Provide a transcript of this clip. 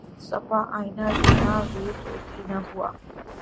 صفحۂ آئنہ جولاں گہ طوطی نہ ہوا